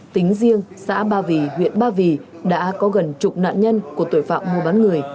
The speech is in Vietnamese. tính riêng xã ba vì huyện ba vì đã có gần chục nạn nhân của tội phạm mua bán người